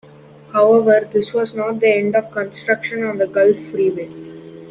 However, this was not the end of construction on the Gulf Freeway.